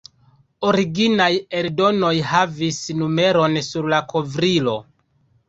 Originaj eldonoj havis numeron sur la kovrilo.